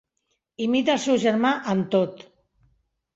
Imita el seu germà en tot.